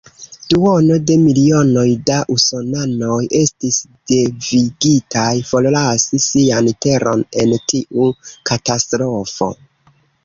Duono de milionoj da usonanoj estis devigitaj forlasi sian teron en tiu katastrofo.